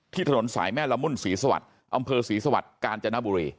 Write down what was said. ถนนสายแม่ละมุ่นศรีสวัสดิ์อำเภอศรีสวรรค์กาญจนบุรี